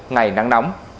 ngày nắng nóng